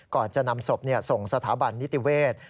ก่อนจะนำศพส่งสถาบันนิติเวศ